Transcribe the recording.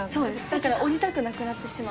だから降りたくなくなってしまう。